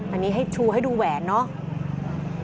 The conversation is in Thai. อันนี้ให้ชูให้ดูแหวนเนาะ